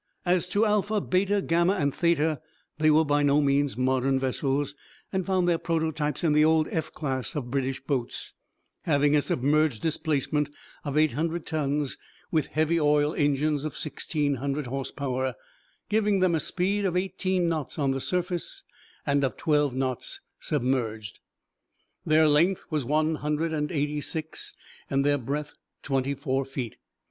As to Alpha, Beta, Gamma, and Theta, they were by no means modern vessels, and found their prototypes in the old F class of British boats, having a submerged displacement of eight hundred tons, with heavy oil engines of sixteen hundred horse power, giving them a speed of eighteen knots on the surface and of twelve knots submerged. Their length was one hundred and eighty six and their breadth twenty four feet.